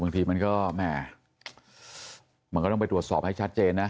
บางทีมันก็แหม่มันก็ต้องไปตรวจสอบให้ชัดเจนนะ